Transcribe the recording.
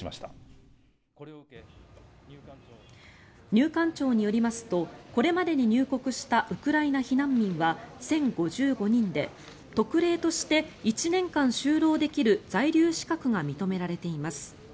入管庁によりますとこれまでに入国したウクライナ避難民は１０５５人で特例として１年間就労できる在留資格が認められています。